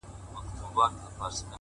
ریښتینی ځواک په ثبات کې څرګندیږي!